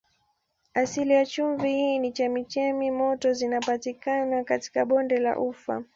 Asili ya chumvi hii ni chemchemi moto zinazopatikana katika bonde la Ufa.